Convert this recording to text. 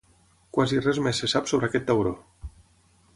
Quasi res més se sap sobre aquest tauró.